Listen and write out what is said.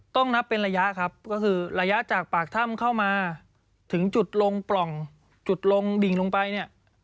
ต้องนับเป็นระยะครับก็คือระยะจากปากถ้ำเข้ามาถึงจุดลงปล่องจุดลงดิ่งลงไปเนี่ย